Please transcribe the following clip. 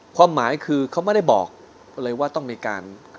ความหมายคือเขาไม่ได้บอกเลยว่าต้องมีการ